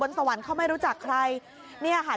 เย็นไปอยู่บ้านตะวันดีเลย